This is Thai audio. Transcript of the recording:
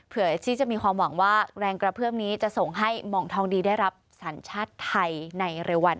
ที่จะมีความหวังว่าแรงกระเพื่อมนี้จะส่งให้หมองทองดีได้รับสัญชาติไทยในเร็ววัน